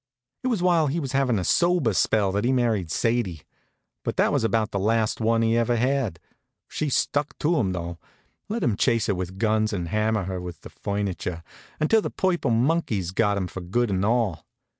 It was while he was having a sober spell that he married Sadie; but that was about the last one he ever had. She stuck to him, though; let him chase her with guns and hammer her with the furniture, until the purple monkeys got him for good and all.